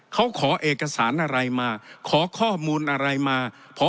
เขาขอเอกสารอะไรมาขอข้อมูลอะไรมา